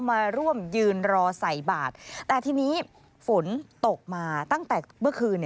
มาร่วมยืนรอใส่บาทแต่ทีนี้ฝนตกมาตั้งแต่เมื่อคืน